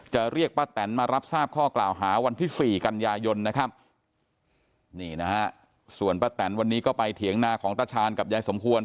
เรียกป้าแตนมารับทราบข้อกล่าวหาวันที่สี่กันยายนนะครับนี่นะฮะส่วนป้าแตนวันนี้ก็ไปเถียงนาของตาชาญกับยายสมควร